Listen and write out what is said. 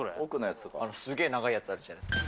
すげえ長いやつとかあるじゃないですか。